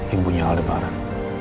ibu nya aldebaran